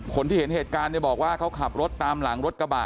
เห็นเหตุการณ์เนี่ยบอกว่าเขาขับรถตามหลังรถกระบะ